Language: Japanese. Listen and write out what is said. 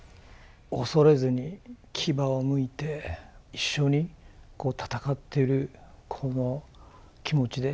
恐れずに牙をむいて一緒に戦ってるこの気持ちで。